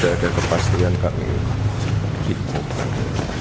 tapi karena barang ini ya ada kemungkinan